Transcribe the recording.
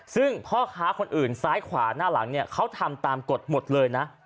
ซึ่งพ่อค้าคนอื่นซ้ายขวาหน้าหลังเนี่ยเขาทำตามกฎหมดเลยนะ